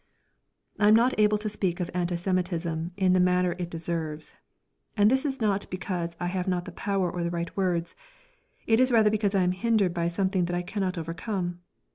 I am not able to speak of anti Semitism in the manner it deserves. And this not because I have not the power or the right words. It is rather because I am hindered by something that I cannot overcome.